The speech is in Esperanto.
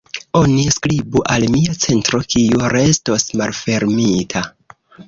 Oni skribu al mia centro kiu restos malfermita.